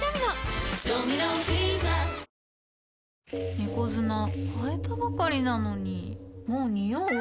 猫砂替えたばかりなのにもうニオう？